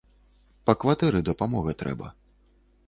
Па кватэры дапамога трэба.